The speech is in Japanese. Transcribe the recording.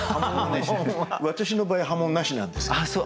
私の場合は破門なしなんです。